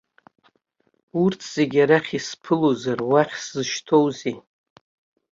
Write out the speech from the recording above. Урҭ зегьы арахь исԥылозар, уахь сзышьҭоузеи!